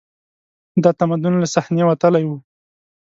دا تمدن له صحنې وتلی و